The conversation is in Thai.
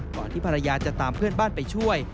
ที่ภรรยาจะตามเพื่อนบ้านไปช่วย